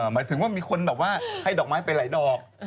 หมายถึงว่ามีคนให้ดอกไม้ไปไหลดอก